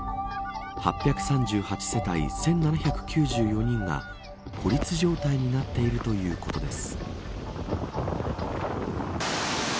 ８３８世帯１７９４人が孤立状態になっているということです。